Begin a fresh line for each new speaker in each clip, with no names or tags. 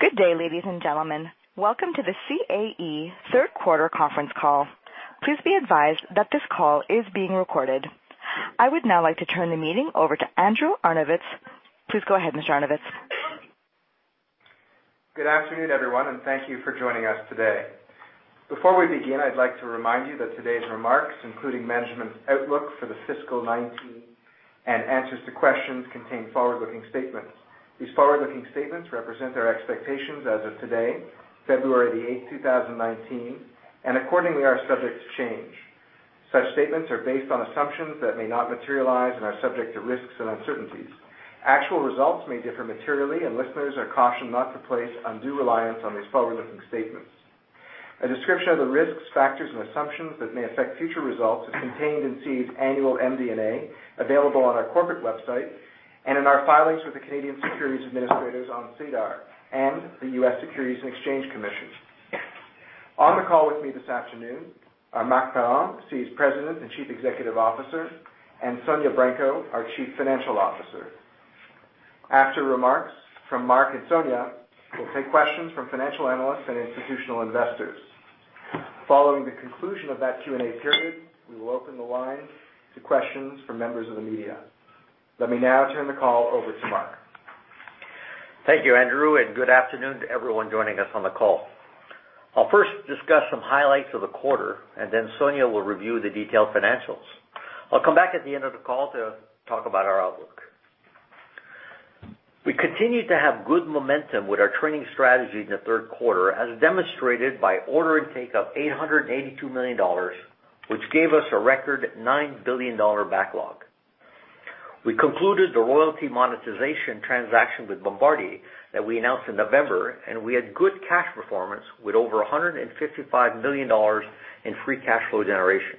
Good day, ladies and gentlemen. Welcome to the CAE third quarter conference call. Please be advised that this call is being recorded. I would now like to turn the meeting over to Andrew Arnovitz. Please go ahead, Mr. Arnovitz.
Good afternoon, everyone. Thank you for joining us today. Before we begin, I'd like to remind you that today's remarks, including management's outlook for the fiscal 2019 and answers to questions, contain forward-looking statements. These forward-looking statements represent our expectations as of today, February the 8th, 2019, and accordingly are subject to change. Such statements are based on assumptions that may not materialize and are subject to risks and uncertainties. Actual results may differ materially, and listeners are cautioned not to place undue reliance on these forward-looking statements. A description of the risks, factors, and assumptions that may affect future results is contained in CAE's annual MD&A available on our corporate website, and in our filings with the Canadian Securities Administrators on SEDAR and the U.S. Securities and Exchange Commission. On the call with me this afternoon are Marc Parent, CAE's President and Chief Executive Officer, and Sonya Branco, our Chief Financial Officer. After remarks from Marc and Sonya, we'll take questions from financial analysts and institutional investors. Following the conclusion of that Q&A period, we will open the line to questions from members of the media. Let me now turn the call over to Marc.
Thank you, Andrew. Good afternoon to everyone joining us on the call. I'll first discuss some highlights of the quarter. Then Sonya will review the detailed financials. I'll come back at the end of the call to talk about our outlook. We continued to have good momentum with our training strategy in the third quarter, as demonstrated by order intake of 882 million dollars, which gave us a record 9 billion dollar backlog. We concluded the royalty monetization transaction with Bombardier that we announced in November. We had good cash performance with over 155 million dollars in free cash flow generation.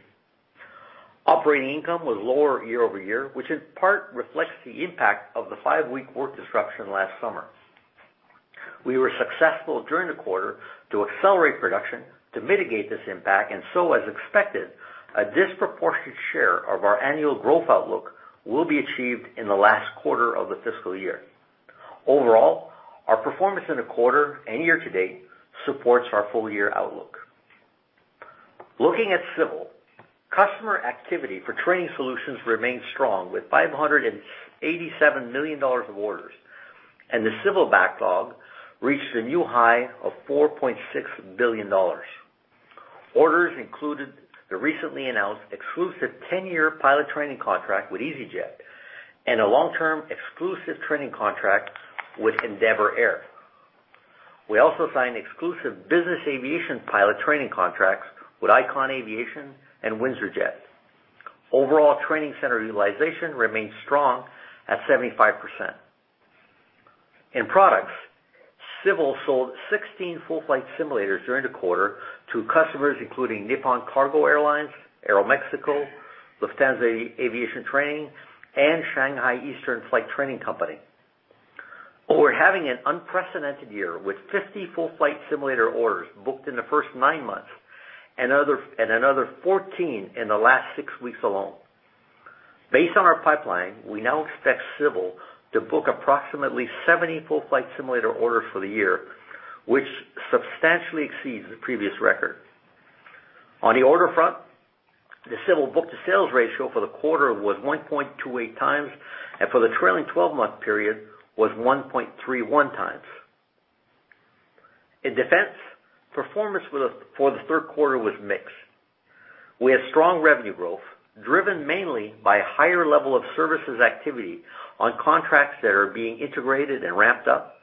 Operating income was lower year-over-year, which in part reflects the impact of the five-week work disruption last summer. We were successful during the quarter to accelerate production to mitigate this impact. As expected, a disproportionate share of our annual growth outlook will be achieved in the last quarter of the fiscal year. Overall, our performance in the quarter and year to date supports our full-year outlook. Looking at civil, customer activity for training solutions remained strong with 587 million dollars of orders, and the civil backlog reached a new high of 4.6 billion dollars. Orders included the recently announced exclusive 10-year pilot training contract with easyJet and a long-term exclusive training contract with Endeavor Air. We also signed exclusive business aviation pilot training contracts with Icon Aviation and Windsor Jet. Overall training center utilization remains strong at 75%. In products, civil sold 16 full-flight simulators during the quarter to customers including Nippon Cargo Airlines, Aeroméxico, Lufthansa Aviation Training, and Shanghai Eastern Flight Training Company. We're having an unprecedented year with 50 full-flight simulator orders booked in the first nine months and another 14 in the last six weeks alone. Based on our pipeline, we now expect civil to book approximately 70 full-flight simulator orders for the year, which substantially exceeds the previous record. On the order front, the civil book-to-sales ratio for the quarter was 1.28 times, and for the trailing 12-month period was 1.31 times. In defense, performance for the third quarter was mixed. We had strong revenue growth, driven mainly by a higher level of services activity on contracts that are being integrated and ramped up.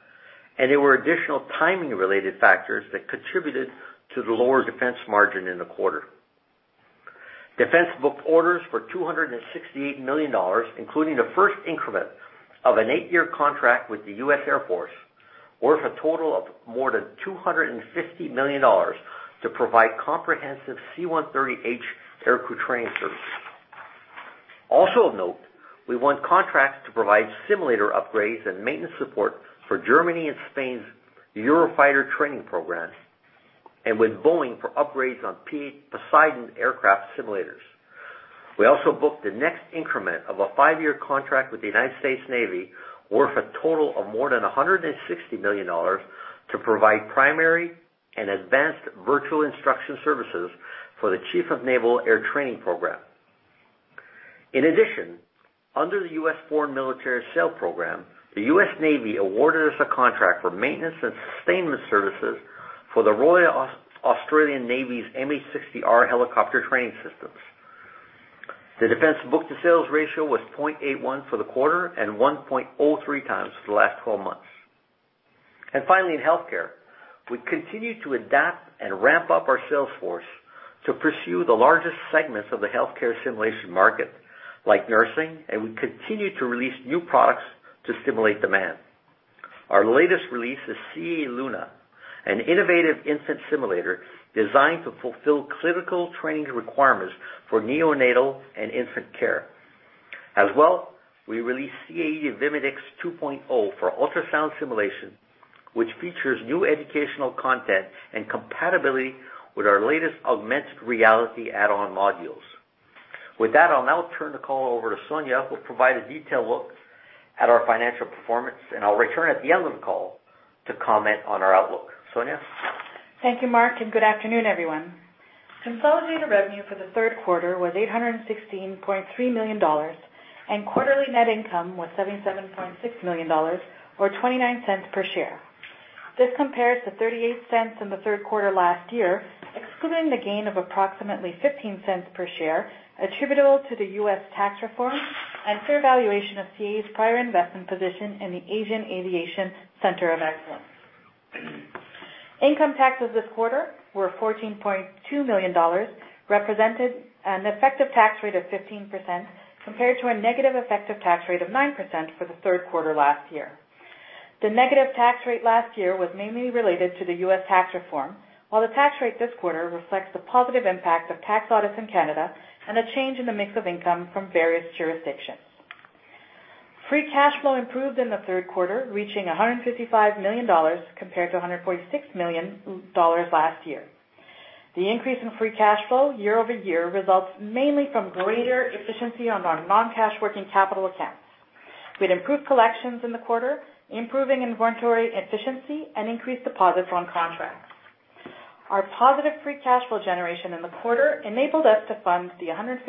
There were additional timing-related factors that contributed to the lower defense margin in the quarter. Defense booked orders for 268 million dollars, including the first increment of an eight-year contract with the U.S. Air Force, worth a total of more than 250 million dollars to provide comprehensive C-130H aircrew training services. Also of note, we won contracts to provide simulator upgrades and maintenance support for Germany and Spain's Eurofighter Training programs and with Boeing for upgrades on Poseidon aircraft simulators. We also booked the next increment of a five-year contract with the United States Navy worth a total of more than 160 million dollars to provide primary and advanced virtual instruction services for the Chief of Naval Air Training Program. In addition, under the U.S. Foreign Military Sales Program, the U.S. Navy awarded us a contract for maintenance and sustainment services for the Royal Australian Navy's MH-60R helicopter training systems. The defense book-to-sales ratio was 0.81 for the quarter and 1.03 times for the last 12 months. Finally, in healthcare, we continue to adapt and ramp up our sales force to pursue the largest segments of the healthcare simulation market, like nursing. We continue to release new products to stimulate demand. Our latest release is CAE Luna, an innovative infant simulator designed to fulfill clinical training requirements for neonatal and infant care. As well, we released CAE Vimedix 2.0 for ultrasound simulation, which features new educational content and compatibility with our latest augmented reality add-on modules. With that, I'll now turn the call over to Sonya, who'll provide a detailed look at our financial performance. I'll return at the end of the call to comment on our outlook. Sonya?
Thank you, Marc, and good afternoon, everyone. Consolidated revenue for the third quarter was 816.3 million dollars, and quarterly net income was 77.6 million dollars, or 0.29 per share. This compares to 0.38 in the third quarter last year, excluding the gain of approximately 0.15 per share attributable to the U.S. tax reform and fair valuation of CAE's prior investment position in the Asian Aviation Centre of Excellence. Income taxes this quarter were 14.2 million dollars, represented an effective tax rate of 15%, compared to a negative effective tax rate of 9% for the third quarter last year. The negative tax rate last year was mainly related to the U.S. tax reform, while the tax rate this quarter reflects the positive impact of tax audits in Canada and a change in the mix of income from various jurisdictions. Free cash flow improved in the third quarter, reaching 155 million dollars, compared to 146 million dollars last year. The increase in free cash flow year-over-year results mainly from greater efficiency on our non-cash working capital accounts. We had improved collections in the quarter, improving inventory efficiency, and increased deposits on contracts. Our positive free cash flow generation in the quarter enabled us to fund the $155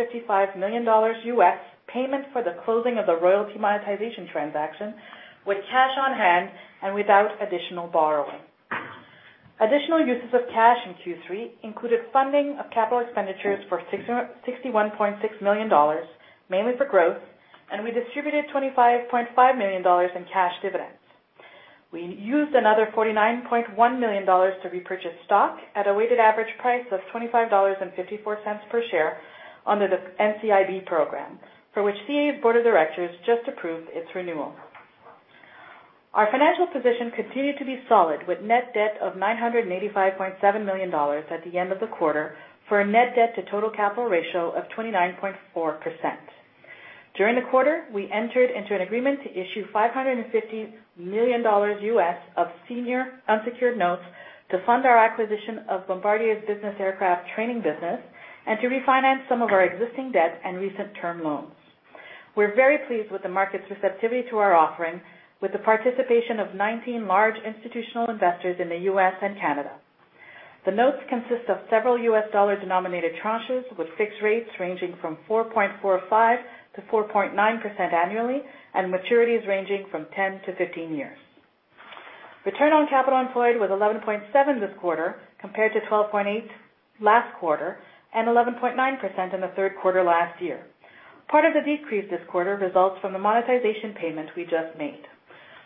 million U.S. payment for the closing of the royalty monetization transaction with cash on hand and without additional borrowing. Additional uses of cash in Q3 included funding of capital expenditures for 61.6 million dollars, mainly for growth, and we distributed 25.5 million dollars in cash dividends. We used another 49.1 million dollars to repurchase stock at a weighted average price of 25.54 dollars per share under the NCIB program, for which CAE's board of directors just approved its renewal. Our financial position continued to be solid, with net debt of CAD 985.7 million at the end of the quarter for a net debt to total capital ratio of 29.4%. During the quarter, we entered into an agreement to issue $550 million U.S. of senior unsecured notes to fund our acquisition of Bombardier's business aircraft training business and to refinance some of our existing debt and recent term loans. We're very pleased with the market's receptivity to our offering with the participation of 19 large institutional investors in the U.S. and Canada. The notes consist of several U.S. dollar-denominated tranches with fixed rates ranging from 4.45%-4.9% annually and maturities ranging from 10-15 years. Return on capital employed was 11.7% this quarter, compared to 12.8% last quarter and 11.9% in the third quarter last year. Part of the decrease this quarter results from the monetization payment we just made.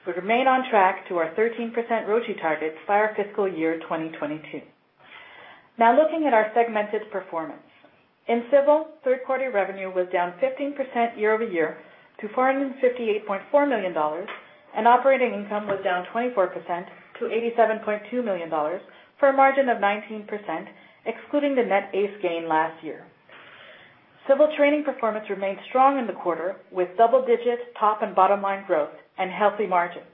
We remain on track to our 13% ROCE target by our fiscal year 2022. Looking at our segmented performance. In Civil, third quarter revenue was down 15% year-over-year to 458.4 million dollars, and operating income was down 24% to 87.2 million dollars, for a margin of 19%, excluding the net ACE gain last year. Civil training performance remained strong in the quarter, with double-digit top and bottom-line growth and healthy margins.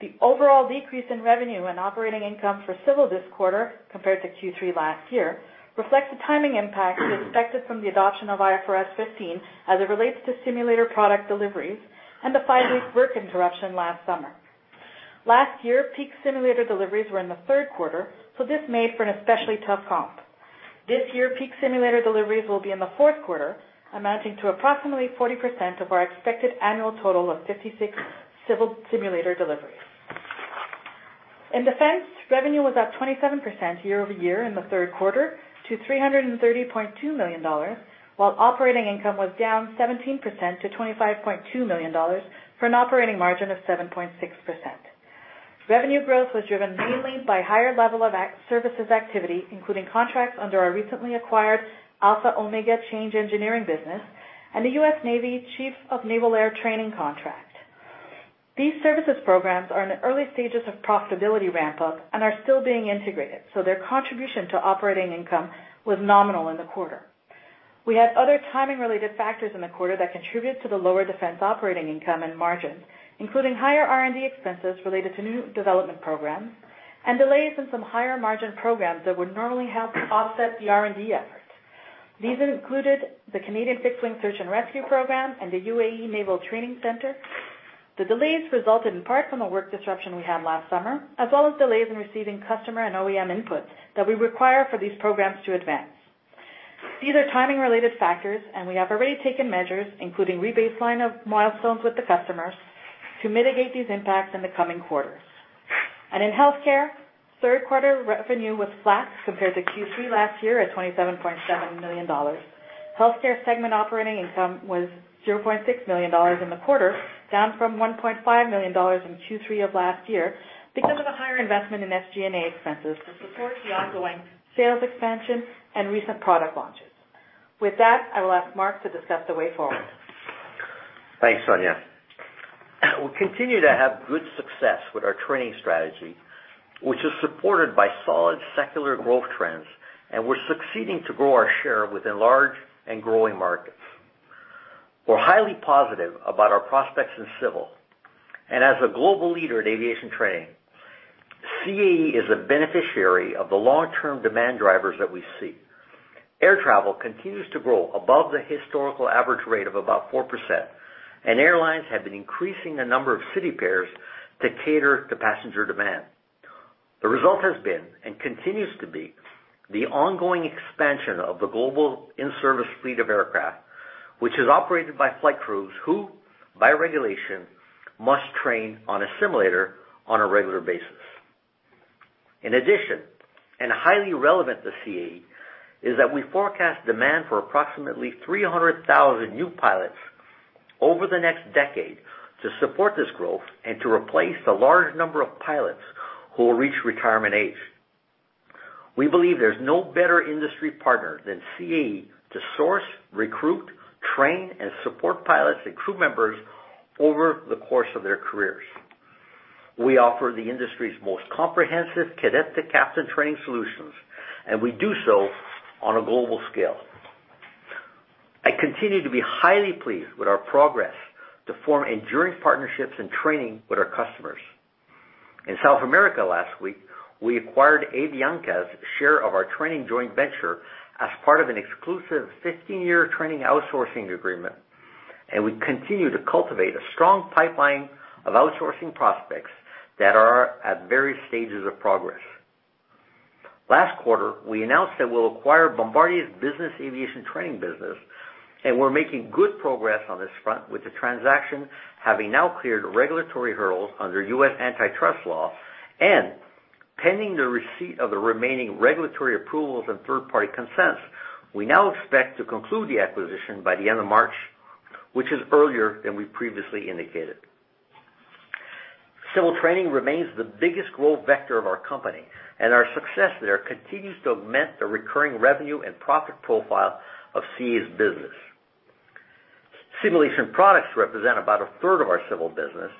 The overall decrease in revenue and operating income for Civil this quarter, compared to Q3 last year, reflects the timing impact we expected from the adoption of IFRS 15 as it relates to simulator product deliveries and the five-week work interruption last summer. Last year, peak simulator deliveries were in the third quarter, this made for an especially tough comp. This year, peak simulator deliveries will be in the fourth quarter, amounting to approximately 40% of our expected annual total of 56 Civil simulator deliveries. In Defense, revenue was up 27% year-over-year in the third quarter to 330.2 million dollars, while operating income was down 17% to 25.2 million dollars for an operating margin of 7.6%. Revenue growth was driven mainly by higher level of services activity, including contracts under our recently acquired Alpha-Omega Change Engineering business and the U.S. Navy Chief of Naval Air Training contract. These services programs are in the early stages of profitability ramp-up and are still being integrated, their contribution to operating income was nominal in the quarter. We had other timing-related factors in the quarter that contributed to the lower Defense operating income and margins, including higher R&D expenses related to new development programs and delays in some higher-margin programs that would normally help offset the R&D efforts. These included the Canadian Fixed-Wing Search and Rescue Program and the UAE Naval Training Centre. The delays resulted in part from the work disruption we had last summer, as well as delays in receiving customer and OEM input that we require for these programs to advance. These are timing-related factors, we have already taken measures, including rebaseline of milestones with the customers, to mitigate these impacts in the coming quarters. In Healthcare, third quarter revenue was flat compared to Q3 last year at 27.7 million dollars. Healthcare segment operating income was 0.6 million dollars in the quarter, down from 1.5 million dollars in Q3 of last year because of a higher investment in SG&A expenses to support the ongoing sales expansion and recent product launches. With that, I will ask Marc to discuss the way forward.
Thanks, Sonya. We continue to have good success with our training strategy, which is supported by solid secular growth trends, we're succeeding to grow our share within large and growing markets. We're highly positive about our prospects in civil. As a global leader in aviation training, CAE is a beneficiary of the long-term demand drivers that we see. Air travel continues to grow above the historical average rate of about 4%, airlines have been increasing the number of city pairs to cater to passenger demand. The result has been, and continues to be, the ongoing expansion of the global in-service fleet of aircraft, which is operated by flight crews who, by regulation, must train on a simulator on a regular basis. Highly relevant to CAE, is that we forecast demand for approximately 300,000 new pilots over the next decade to support this growth and to replace the large number of pilots who will reach retirement age. We believe there's no better industry partner than CAE to source, recruit, train, and support pilots and crew members over the course of their careers. We offer the industry's most comprehensive cadet to captain training solutions, and we do so on a global scale. I continue to be highly pleased with our progress to form enduring partnerships and training with our customers. In South America last week, we acquired Avianca's share of our training joint venture as part of an exclusive 15-year training outsourcing agreement, and we continue to cultivate a strong pipeline of outsourcing prospects that are at various stages of progress. Last quarter, we announced that we'll acquire Bombardier's business aviation training business, and we're making good progress on this front with the transaction, having now cleared regulatory hurdles under U.S. antitrust law. Pending the receipt of the remaining regulatory approvals and third-party consents, we now expect to conclude the acquisition by the end of March, which is earlier than we previously indicated. Civil training remains the biggest growth vector of our company, and our success there continues to augment the recurring revenue and profit profile of CAE's business. Simulation products represent about a third of our civil business,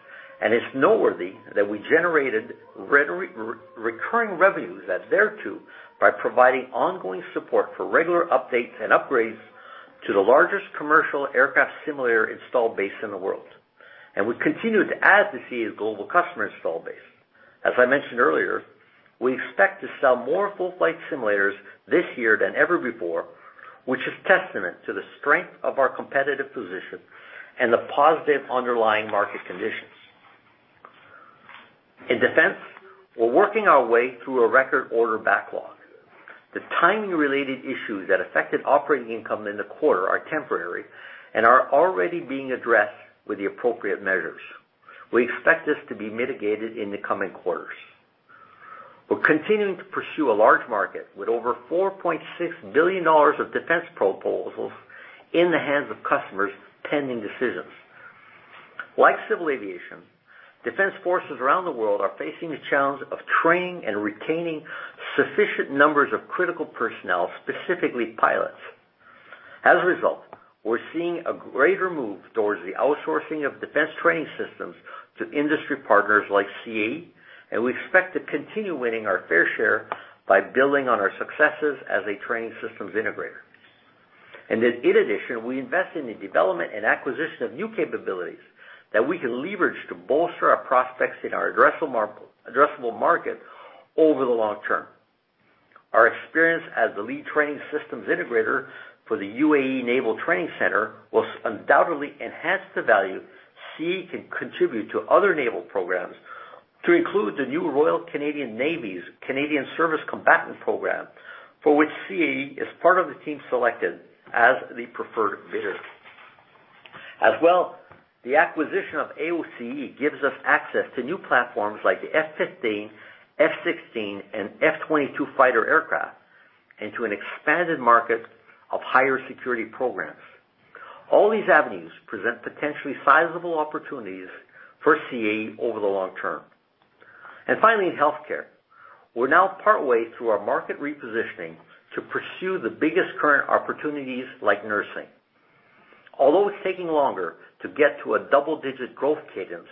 and it's noteworthy that we generated recurring revenues thereto by providing ongoing support for regular updates and upgrades to the largest commercial aircraft simulator installed base in the world. We continue to add to CAE's global customer install base. As I mentioned earlier, we expect to sell more full-flight simulators this year than ever before, which is testament to the strength of our competitive position and the positive underlying market conditions. In defense, we're working our way through a record order backlog. The timing-related issues that affected operating income in the quarter are temporary and are already being addressed with the appropriate measures. We expect this to be mitigated in the coming quarters. We're continuing to pursue a large market with over 4.6 billion dollars of defense proposals in the hands of customers pending decisions. Like civil aviation, defense forces around the world are facing the challenge of training and retaining sufficient numbers of critical personnel, specifically pilots. As a result, we're seeing a greater move towards the outsourcing of defense training systems to industry partners like CAE, and we expect to continue winning our fair share by building on our successes as a training systems integrator. In addition, we invest in the development and acquisition of new capabilities that we can leverage to bolster our prospects in our addressable market over the long term. Our experience as the lead training systems integrator for the UAE Naval Training Centre will undoubtedly enhance the value CAE can contribute to other naval programs to include the new Royal Canadian Navy's Canadian Surface Combatant Program, for which CAE is part of the team selected as the preferred bidder. As well, the acquisition of AOCE gives us access to new platforms like the F-15, F-16, and F-22 fighter aircraft into an expanded market of higher security programs. All these avenues present potentially sizable opportunities for CAE over the long term. Finally, in healthcare. We're now partway through our market repositioning to pursue the biggest current opportunities like nursing. Although it's taking longer to get to a double-digit growth cadence,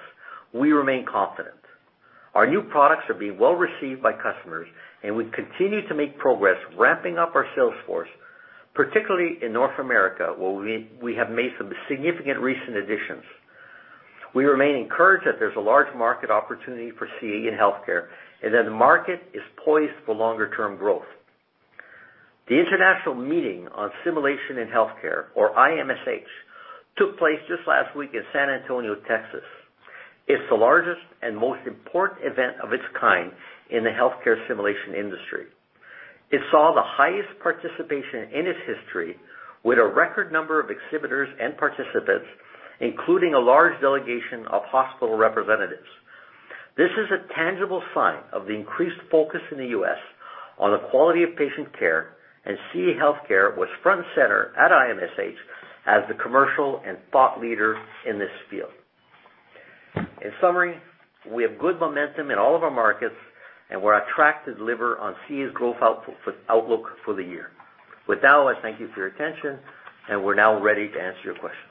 we remain confident. Our new products are being well received by customers, and we continue to make progress ramping up our sales force, particularly in North America, where we have made some significant recent additions. We remain encouraged that there's a large market opportunity for CAE in healthcare, and that the market is poised for longer-term growth. The International Meeting on Simulation in Healthcare, or IMSH, took place just last week in San Antonio, Texas. It's the largest and most important event of its kind in the healthcare simulation industry. It saw the highest participation in its history with a record number of exhibitors and participants, including a large delegation of hospital representatives. This is a tangible sign of the increased focus in the U.S. on the quality of patient care, and CAE Healthcare was front and center at IMSH as the commercial and thought leader in this field. In summary, we have good momentum in all of our markets, and we're on track to deliver on CAE's growth outlook for the year. With that, I thank you for your attention, and we're now ready to answer your questions.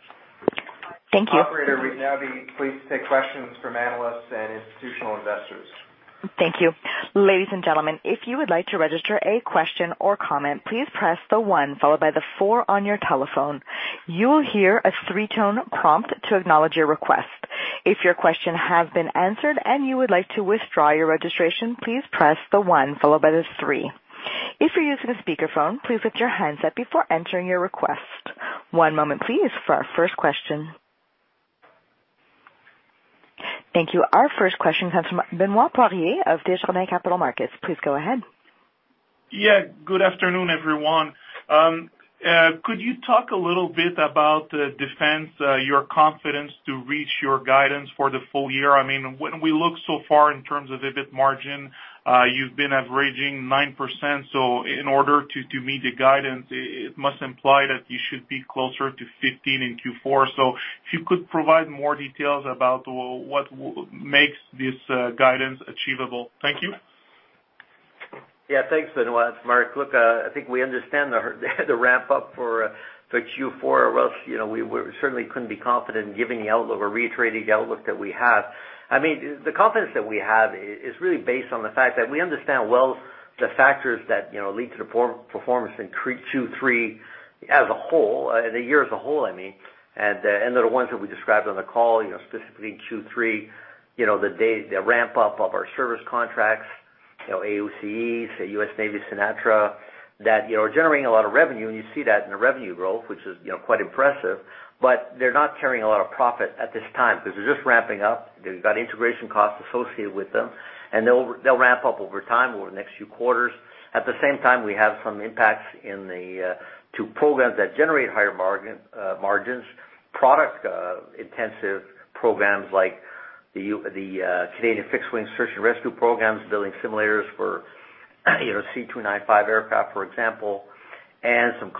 Thank you.
Operator, we'd now be pleased to take questions from analysts and institutional investors.
Thank you. Ladies and gentlemen, if you would like to register a question or comment, please press the one followed by the four on your telephone. You will hear a three-tone prompt to acknowledge your request. If your question has been answered and you would like to withdraw your registration, please press the one followed by the three. If you're using a speakerphone, please mute your handset before entering your request. One moment please for our first question. Thank you. Our first question comes from Benoit Poirier of Desjardins Capital Markets. Please go ahead.
Yeah. Good afternoon, everyone. Could you talk a little bit about defense, your confidence to reach your guidance for the full year? When we look so far in terms of EBIT margin, you've been averaging 9%, so in order to meet the guidance, it must imply that you should be closer to 15% in Q4. If you could provide more details about what makes this guidance achievable. Thank you.
Yeah, thanks, Benoit. It's Marc. Look, I think we understand the ramp up for Q4. Or else, we certainly couldn't be confident in giving the outlook or reiterating the outlook that we have. The confidence that we have is really based on the fact that we understand well the factors that lead to the performance in Q3 as a whole, the year as a whole, I mean. They're the ones that we described on the call, specifically in Q3, the ramp-up of our service contracts, AOCE, U.S. Navy CNATRA, that are generating a lot of revenue, and you see that in the revenue growth, which is quite impressive. They're not carrying a lot of profit at this time because they're just ramping up. They've got integration costs associated with them, and they'll ramp up over time, over the next few quarters. At the same time, we have some impacts in the two programs that generate higher margins, product-intensive programs like the Canadian Fixed-Wing Search and Rescue programs, building simulators for C-295 aircraft, for example, and some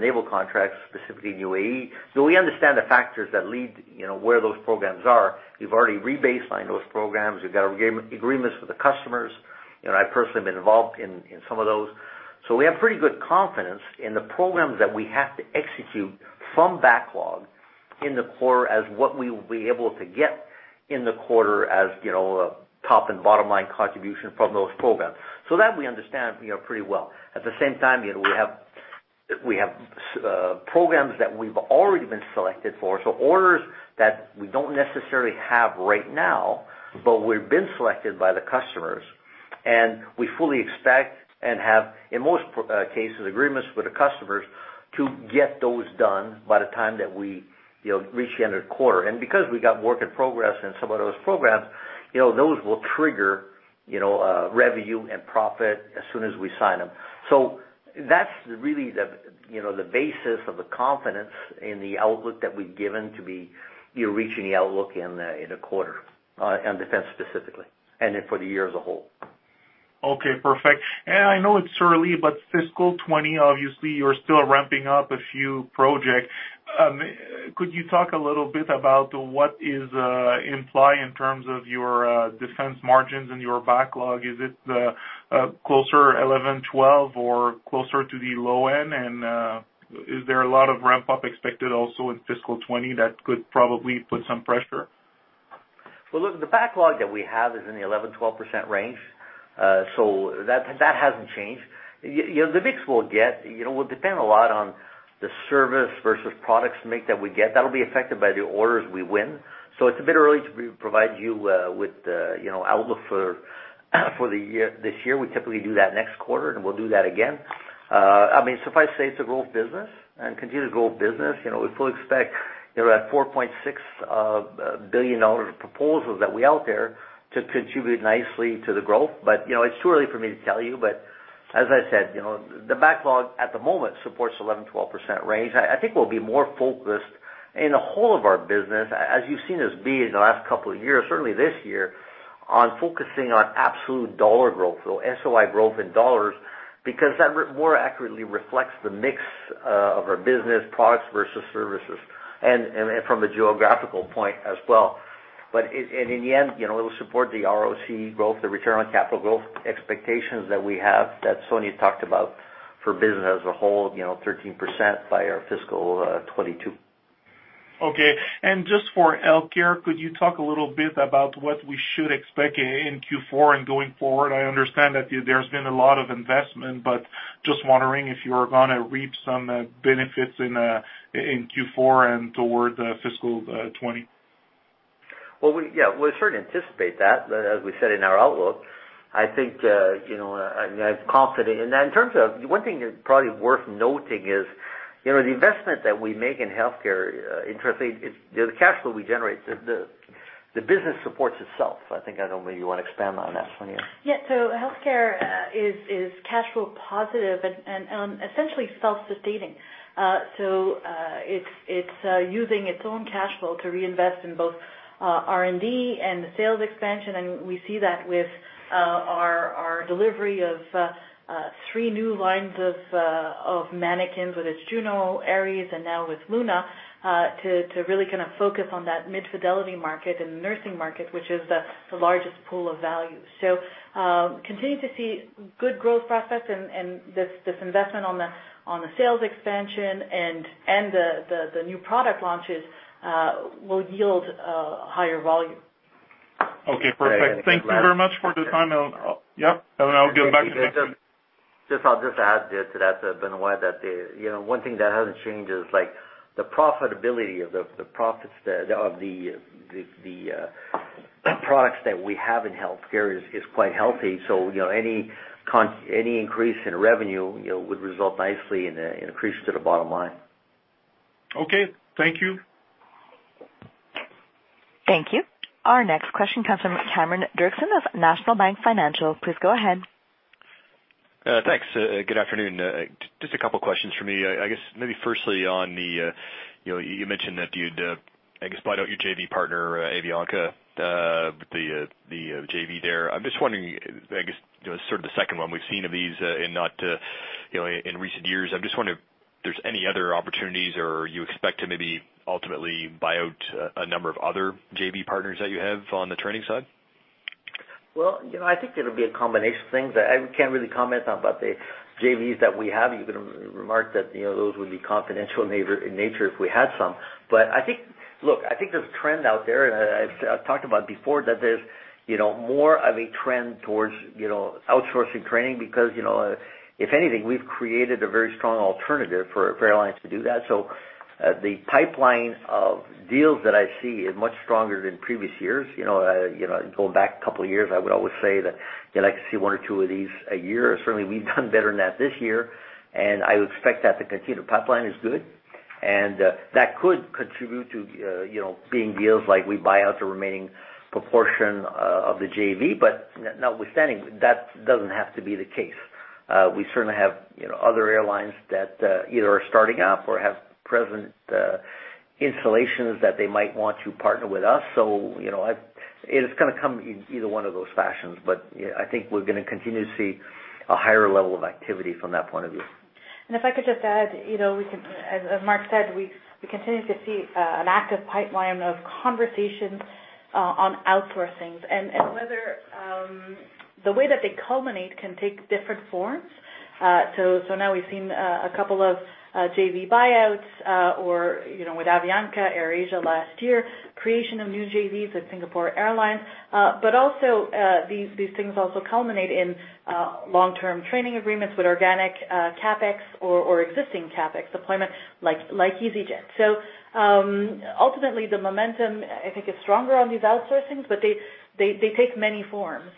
naval contracts, specifically in UAE. We understand the factors that lead where those programs are. We've already re-baselined those programs. We've got agreements with the customers. I personally have been involved in some of those. We have pretty good confidence in the programs that we have to execute from backlog in the quarter as what we will be able to get in the quarter as top and bottom-line contribution from those programs. That we understand pretty well. At the same time, we have programs that we've already been selected for, so orders that we don't necessarily have right now, but we've been selected by the customers, and we fully expect and have, in most cases, agreements with the customers to get those done by the time that we reach the end of the quarter. Because we got work in progress in some of those programs, those will trigger revenue and profit as soon as we sign them. That's really the basis of the confidence in the outlook that we've given to be reaching the outlook in the quarter, on defense specifically, and then for the year as a whole.
Okay, perfect. I know it's early, but FY 2020, obviously, you're still ramping up a few projects. Could you talk a little bit about what is implied in terms of your defense margins and your backlog? Is it closer 11%, 12% or closer to the low end? Is there a lot of ramp-up expected also in FY 2020 that could probably put some pressure?
Well, look, the backlog that we have is in the 11%, 12% range. That hasn't changed. The mix will depend a lot on the service versus products mix that we get. That'll be affected by the orders we win. It's a bit early to provide you with the outlook for this year. We typically do that next quarter, and we'll do that again. Suffice to say, it's a growth business and continued growth business. We fully expect that 4.6 billion dollar of proposals that we out there to contribute nicely to the growth. It's too early for me to tell you, but as I said, the backlog at the moment supports 11%, 12% range. I think we'll be more focused in the whole of our business, as you've seen us be in the last couple of years, certainly this year, on focusing on absolute dollar growth. SOI growth in dollars, because that more accurately reflects the mix of our business products versus services, and from a geographical point as well. In the end, it will support the ROC growth, the return on capital growth expectations that we have that Sonya talked about for business as a whole, 13% by our FY 2022.
Okay. Just for healthcare, could you talk a little bit about what we should expect in Q4 and going forward? I understand that there's been a lot of investment, but just wondering if you are going to reap some benefits in Q4 and toward fiscal 2020.
Yeah, we certainly anticipate that, as we said in our outlook. I think I'm confident. One thing probably worth noting is the investment that we make in healthcare, interestingly, the cash flow we generate, the business supports itself. I think, I don't know, you want to expand on that, Sonya?
Yeah. Healthcare is cash flow positive and essentially self-sustaining. It's using its own cash flow to reinvest in both R&D and the sales expansion, and we see that with our delivery of three new lines of manikins with its Juno, Ares, and now with Luna, to really focus on that mid-fidelity market and the nursing market, which is the largest pool of value. Continue to see good growth prospects and this investment on the sales expansion and the new product launches will yield higher volume.
Okay, perfect. Thank you very much for the time, and I'll get back to you.
I'll just add there to that, Benoit, that one thing that hasn't changed is the profitability of the products that we have in healthcare is quite healthy. Any increase in revenue would result nicely in an increase to the bottom line.
Okay, thank you.
Thank you. Our next question comes from Cameron Doerksen of National Bank Financial. Please go ahead.
Thanks. Good afternoon. Just a couple of questions from me. I guess maybe firstly, you mentioned that you'd buy out your JV partner, Avianca, the JV there. I'm just wondering, I guess, sort of the second one we've seen of these in recent years. I'm just wondering if there's any other opportunities or you expect to maybe ultimately buy out a number of other JV partners that you have on the training side?
Well, I think it'll be a combination of things. I can't really comment on about the JVs that we have. You can remark that those would be confidential in nature if we had some. Look, I think there's a trend out there, and I've talked about before that there's more of a trend towards outsourcing training because, if anything, we've created a very strong alternative for airlines to do that. The pipeline of deals that I see is much stronger than previous years. Going back a couple of years, I would always say that I could see one or two of these a year. Certainly, we've done better than that this year, and I would expect that to continue. Pipeline is good, and that could contribute to being deals like we buy out the remaining proportion of the JV, but notwithstanding, that doesn't have to be the case. We certainly have other airlines that either are starting up or have present installations that they might want to partner with us. It is going to come in either one of those fashions, but I think we're going to continue to see a higher level of activity from that point of view.
If I could just add, as Marc said, we continue to see an active pipeline of conversations on outsourcing and whether the way that they culminate can take different forms. Now we've seen a couple of JV buyouts or with Avianca, AirAsia last year, creation of new JVs with Singapore Airlines. Also, these things also culminate in long-term training agreements with organic CapEx or existing CapEx deployment like easyJet. Ultimately, the momentum, I think, is stronger on these outsourcings, but they take many forms.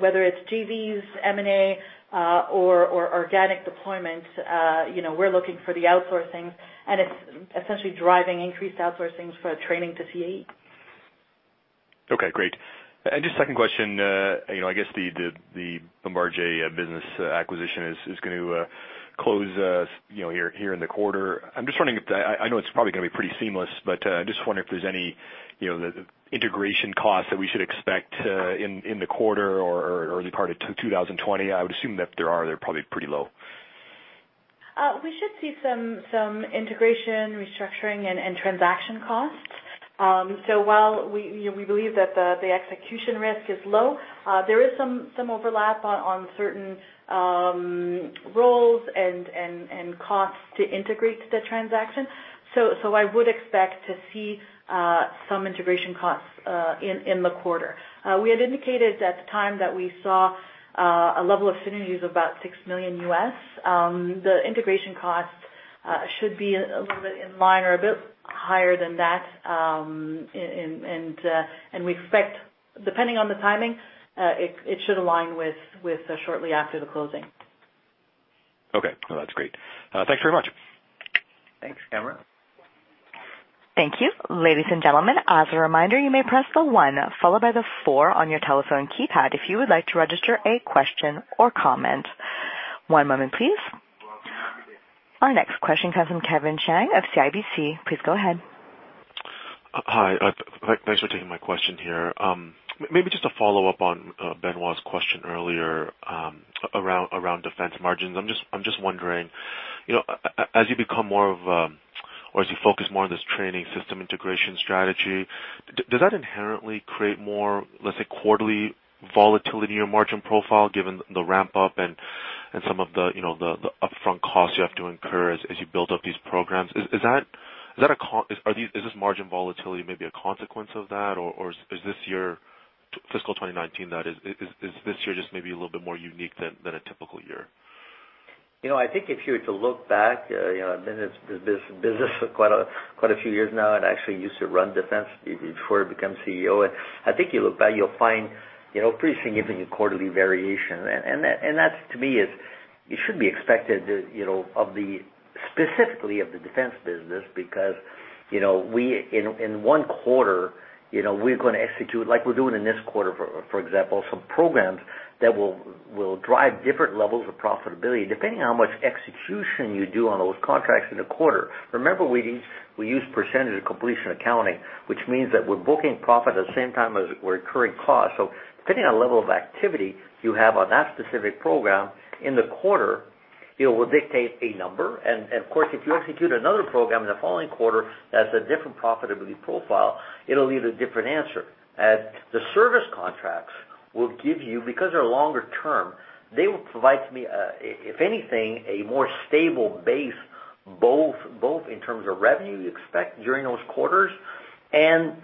Whether it's JVs, M&A or organic deployment, we're looking for the outsourcing, and it's essentially driving increased outsourcing for training to CAE.
Okay, great. Just second question, I guess the Bombardier business acquisition is going to close here in the quarter. I know it's probably going to be pretty seamless, but I just wonder if there's any integration cost that we should expect in the quarter or early part of 2020. I would assume that if there are, they're probably pretty low.
We should see some integration, restructuring, and transaction costs. While we believe that the execution risk is low, there is some overlap on certain roles and costs to integrate the transaction. I would expect to see some integration costs in the quarter. We had indicated at the time that we saw a level of synergies of about $6 million. The integration cost should be a little bit in line or a bit higher than that, and we expect, depending on the timing, it should align with shortly after the closing.
Okay. Well, that's great. Thanks very much.
Thanks, Cameron.
Thank you. Ladies and gentlemen, as a reminder, you may press the one followed by the four on your telephone keypad if you would like to register a question or comment. One moment please. Our next question comes from Kevin Chiang of CIBC. Please go ahead.
Just a follow-up on Benoit's question earlier around defense margins. I'm wondering, as you become more of a, or as you focus more on this training system integration strategy, does that inherently create more, let's say, quarterly volatility in your margin profile, given the ramp-up and some of the upfront costs you have to incur as you build up these programs? Is this margin volatility maybe a consequence of that, or is this year, fiscal 2019, that is this year just maybe a little bit more unique than a typical year?
I think if you were to look back, I've been in this business for quite a few years now and I actually used to run defense before I become CEO. I think you look back, you'll find pretty significant quarterly variation. That to me is it should be expected specifically of the defense business because, in one quarter, we're going to execute, like we're doing in this quarter, for example, some programs that will drive different levels of profitability, depending on how much execution you do on those contracts in a quarter. Remember, we use percentage of completion accounting, which means that we're booking profit at the same time as we're incurring costs. Depending on level of activity you have on that specific program in the quarter, it will dictate a number. Of course, if you execute another program in the following quarter that has a different profitability profile, it'll yield a different answer. The service contracts will give you, because they're longer term, they will provide to me, if anything, a more stable base, both in terms of revenue you expect during those quarters and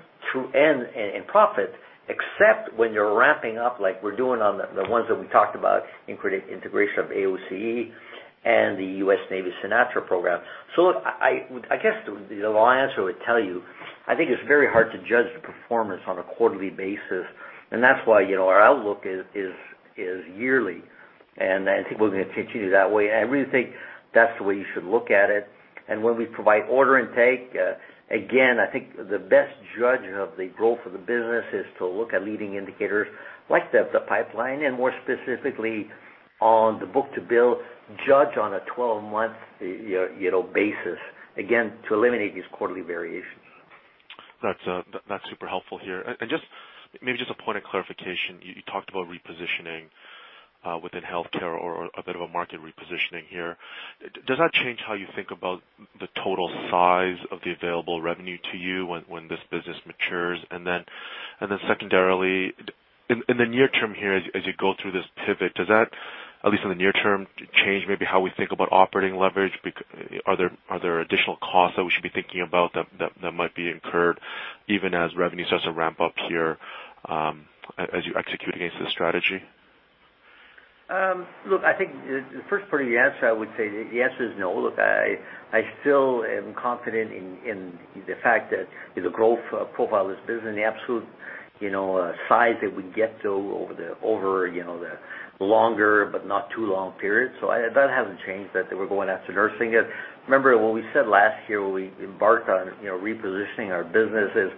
in profit, except when you're ramping up like we're doing on the ones that we talked about in integration of AOCE and the U.S. Navy CNATRA program. Look, I guess the long answer would tell you, I think it's very hard to judge the performance on a quarterly basis, that's why our outlook is yearly, and I think we're going to continue that way. I really think that's the way you should look at it. When we provide order intake, again, I think the best judge of the growth of the business is to look at leading indicators like the pipeline and more specifically on the book-to-bill, judge on a 12-month basis, again, to eliminate these quarterly variations.
That's super helpful here. Maybe just a point of clarification. You talked about repositioning within healthcare or a bit of a market repositioning here. Does that change how you think about the total size of the available revenue to you when this business matures? Then secondarily, in the near term here, as you go through this pivot, does that, at least in the near term, change maybe how we think about operating leverage? Are there additional costs that we should be thinking about that might be incurred even as revenue starts to ramp up here, as you execute against this strategy?
Look, I think the first part of the answer, I would say the answer is no. Look, I still am confident in the fact that the growth profile of this business and the absolute size that we get to over the longer but not too long period. That hasn't changed, that we're going after nursing. Remember what we said last year when we embarked on repositioning our business is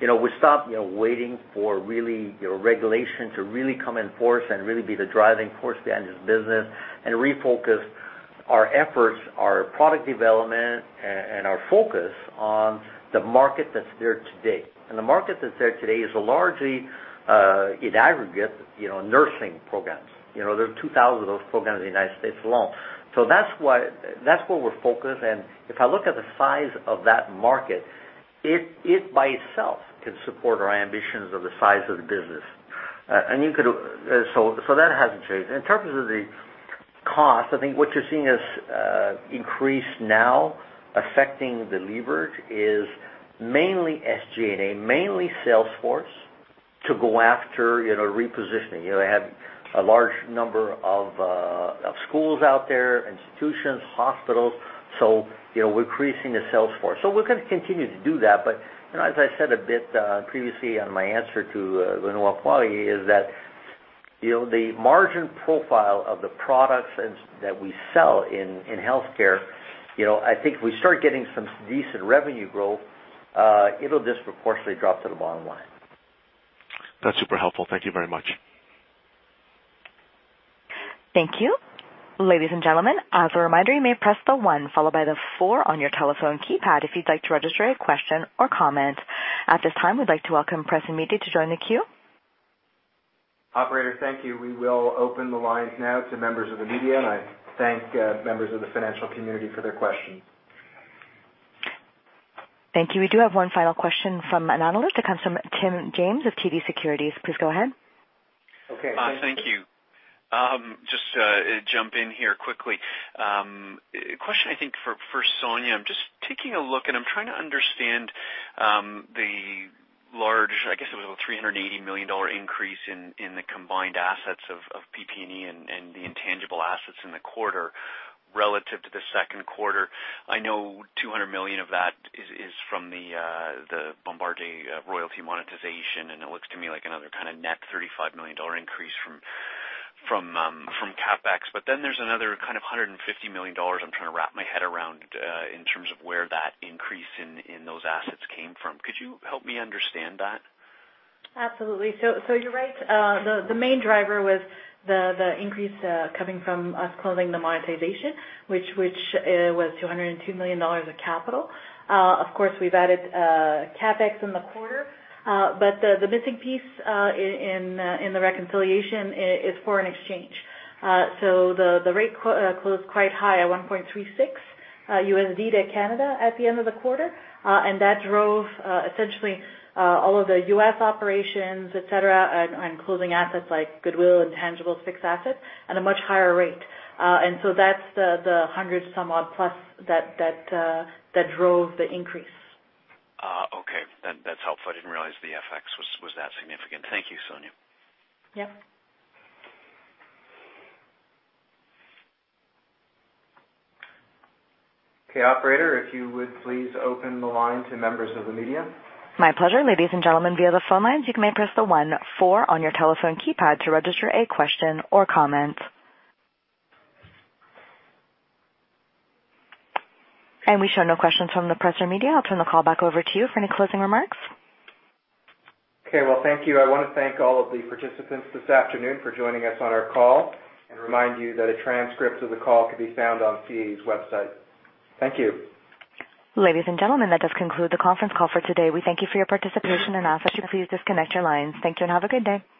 we stopped waiting for regulation to really come in force and really be the driving force behind this business and refocused our efforts, our product development, and our focus on the market that's there today. The market that's there today is largely, in aggregate, nursing programs. There are 2,000 of those programs in the United States alone. That's where we're focused, and if I look at the size of that market, it by itself can support our ambitions of the size of the business. That hasn't changed. In terms of the cost, I think what you're seeing is increase now affecting the levers is mainly SG&A, mainly sales force to go after repositioning. They have a large number of schools out there, institutions, hospitals, we're increasing the sales force. We're going to continue to do that, but as I said a bit previously on my answer to Benoit Poirier, is that the margin profile of the products that we sell in healthcare, I think if we start getting some decent revenue growth, it'll disproportionately drop to the bottom line.
That's super helpful. Thank you very much.
Thank you. Ladies and gentlemen, as a reminder, you may press the one followed by the four on your telephone keypad if you'd like to register a question or comment. At this time, we'd like to welcome press and media to join the queue.
Operator, thank you. We will open the lines now to members of the media, and I thank members of the financial community for their questions.
Thank you. We do have one final question from an analyst. It comes from Tim James of TD Securities. Please go ahead.
Okay.
Thank you. Just to jump in here quickly. Question, I think, for Sonya. I'm just taking a look, and I'm trying to understand the large, I guess it was a 380 million dollar increase in the combined assets of PP&E and the intangible assets in the quarter relative to the second quarter. I know 200 million of that is from the Bombardier royalty monetization, and it looks to me like another kind of net 35 million dollar increase from CapEx. There's another kind of 150 million dollars I'm trying to wrap my head around in terms of where that increase in those assets came from. Could you help me understand that?
Absolutely. You're right. The main driver was the increase coming from us closing the monetization, which was 202 million dollars of capital. Of course, we've added CapEx in the quarter. The missing piece in the reconciliation is foreign exchange. The rate closed quite high at 1.36 USD to CAD at the end of the quarter. That drove essentially all of the U.S. operations, et cetera, on closing assets like goodwill, intangible fixed assets at a much higher rate. That's the 100-some odd plus that drove the increase.
That's helpful. I didn't realize the FX was that significant. Thank you, Sonya.
Yep.
Operator, if you would please open the line to members of the media.
My pleasure. Ladies and gentlemen, via the phone lines, you may press the one four on your telephone keypad to register a question or comment. We show no questions from the press or media. I'll turn the call back over to you for any closing remarks.
Okay, well, thank you. I want to thank all of the participants this afternoon for joining us on our call and remind you that a transcript of the call can be found on CAE's website. Thank you.
Ladies and gentlemen, that does conclude the conference call for today. We thank you for your participation and ask that you please disconnect your lines. Thank you, and have a good day.